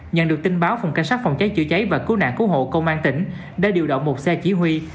nhận được tin báo phòng cảnh sát phòng cháy chữa cháy và cứu nạn cứu hộ công an tỉnh đã điều động một xe chỉ huy